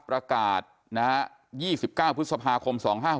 ประกาศ๒๙พฤษภาคม๒๕๖๖